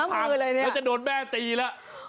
ก็จะโดนแม่ตีละ